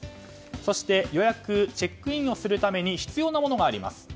そして予約、チェックインをするために必要なものがあります。